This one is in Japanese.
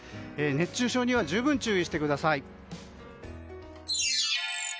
熱中症には十分注意してください。